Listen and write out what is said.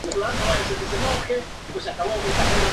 El Boston Post Road y el Albany Post Road cruzaban el río.